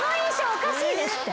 おかしいですって。